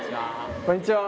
こんにちは。